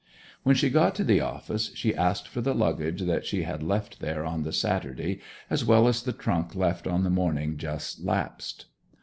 When she got to the office she asked for the luggage that she had left there on the Saturday as well as the trunk left on the morning just lapsed.